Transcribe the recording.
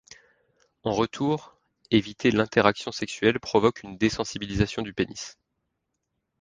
En retour, éviter l'interaction sexuelle provoque une désensibilisation du pénis.